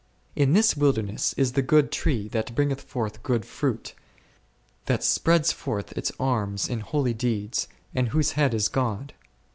In this wilder ness is the good Tree that bringeth forth good fruit, that spreads forth its arms in holy deeds, and whose head is God.